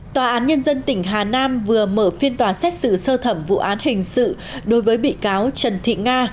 tòa án nhân dân tỉnh hà nam vừa mở phiên tòa xét xử sơ thẩm vụ án hình sự đối với bị cáo trần thị nga